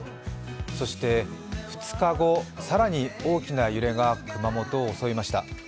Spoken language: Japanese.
そして２日後、更に大きな揺れが熊本を襲いました。